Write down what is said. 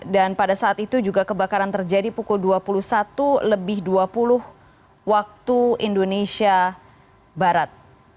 dan pada saat itu juga kebakaran terjadi pukul dua puluh satu lebih dua puluh waktu indonesia barat